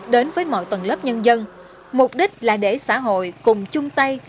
đến với mọi tầng lớp nhân dân mục đích là để xã hội cùng chung tay